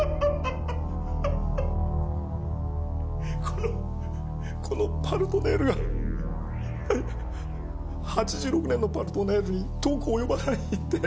このこの「パルトネール」が８６年の「パルトネール」に遠く及ばないって？